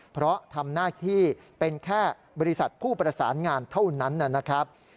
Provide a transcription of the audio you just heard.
เพราะทำหน้าที่เป็นแค่บริษัทผู้ประสานงานเท่านั้นนะครับ